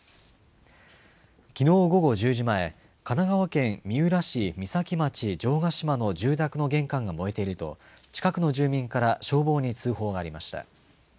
きのう午後１０時前、神奈川県三浦市三崎町城ヶ島の住宅の玄関が燃えていると、近くの住民から消防に通報がありました。